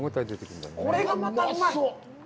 これがまたうまい。